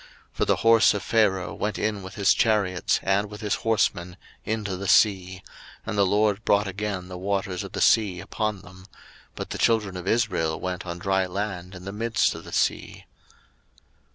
02:015:019 For the horse of Pharaoh went in with his chariots and with his horsemen into the sea, and the LORD brought again the waters of the sea upon them; but the children of Israel went on dry land in the midst of the sea.